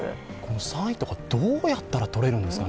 ３位とかどうやったら撮れるんですかね。